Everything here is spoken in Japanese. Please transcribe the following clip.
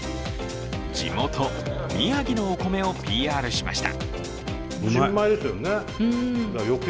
地元・宮城のお米をＰＲしました。